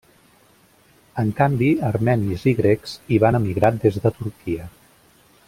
En canvi armenis i grecs hi van emigrar des de Turquia.